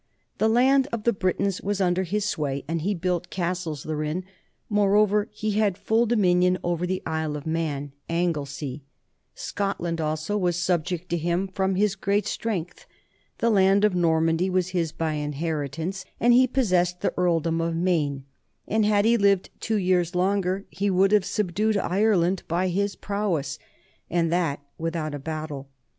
The land of the Britons was under his sway, and he built castles therein; moreover he had full dominion over the Isle of Man [Anglesey]: Scotland also was subject to him from his great strength; the land of Normandy was his by inheritance, and he possessed the earldom of Maine; and had he lived two years longer he would have subdued Ireland by his prowess, and that with out a battle.